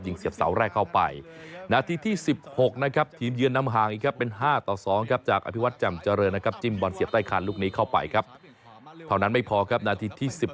ยิงเสียบเสาแรกเข้าไป